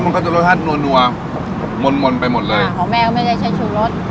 มันก็จะรสชาตินัวมนมนไปหมดเลยอ่าของแม่ก็ไม่ได้ใช้ชูรส